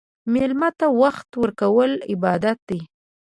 مېلمه ته وخت ورکول عبادت دی.